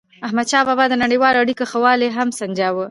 احمدشاه بابا به د نړیوالو اړیکو ښه والی هم سنجاوو.